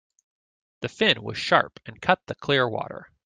The fin was sharp and cut the clear water.